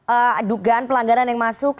adugaan pelanggaran yang masuk